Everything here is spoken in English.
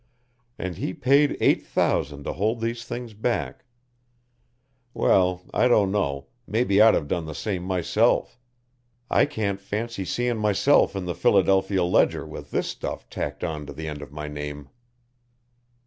"And he paid eight thousand to hold these things back well, I don't know, maybe I'd have done the same myself. I can't fancy seeing myself in the Philadelphia Ledger with this stuff tacked on to the end of my name."